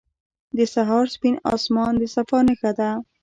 • د سهار سپین آسمان د صفا نښه ده.